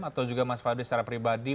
atau juga mas fadli secara pribadi